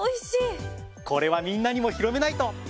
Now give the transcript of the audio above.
これはみんなにも広めないと！